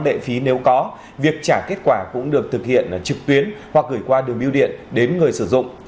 lệ phí nếu có việc trả kết quả cũng được thực hiện trực tuyến hoặc gửi qua đường biêu điện đến người sử dụng